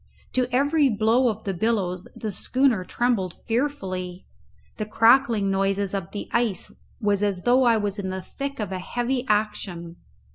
To every blow of the billows the schooner trembled fearfully; the crackling noises of the ice was as though I was in the thick of a heavy action.